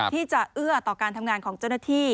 ที่จะเอื้อต่อการทำงานของเจ้าหน้าที่